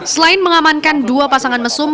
selain mengamankan dua pasangan mesum